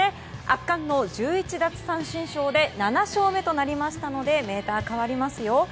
圧巻の１１奪三振ショーで７勝目となりましたのでメーター変わりますよ。